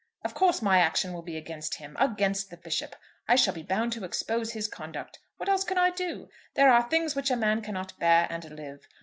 Of course, my action will be against him, against the Bishop. I shall be bound to expose his conduct. What else can I do? There are things which a man cannot bear and live.